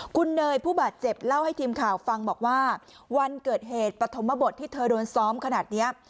คุณเนยผู้บาดเจ็บเล่าให้ทีมข่าวฟังบอกว่าวันเกิดเหตุปฐมบทที่เธอโดนซ้อมขนาดนี้